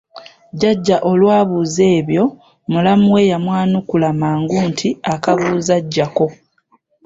Jjajja olwabuuza ebyo mulamu we yamwanukula mangu nti akabuuza ggyako.